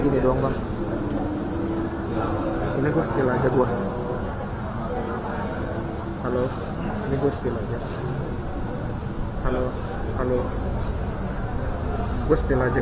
ini tuh langsung habis ini jadi hari